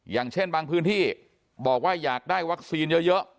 อย่างเช่นบางพื้นที่บอกว่าอยากได้วัคซีนเยอะ